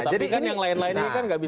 tapi kan yang lain lain ini kan nggak bisa